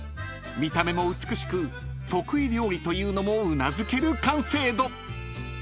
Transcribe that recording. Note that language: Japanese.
［見た目も美しく得意料理というのもうなずける完成度］